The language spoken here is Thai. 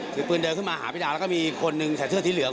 ถือปืนเดินขึ้นมาหาพี่ดาวแล้วก็มีคนหนึ่งใส่เสื้อสีเหลือง